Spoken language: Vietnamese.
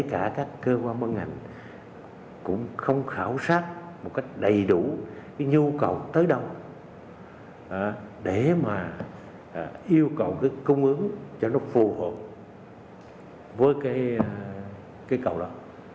mà kể cả các cơ quan vận hành cũng không khảo sát một cách đầy đủ cái nhu cầu tới đâu để mà yêu cầu cái cung ứng cho nó phù hợp với cái cầu đó